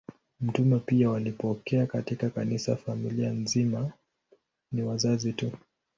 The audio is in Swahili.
Mitume pia walipokea katika Kanisa familia nzima, si wazazi tu.